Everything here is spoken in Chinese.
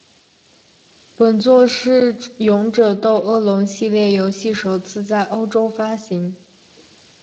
本作是勇者斗恶龙系列游戏首次在欧洲发行。